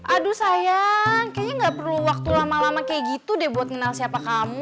aduh sayang kayaknya gak perlu waktu lama lama kayak gitu deh buat kenal siapa kamu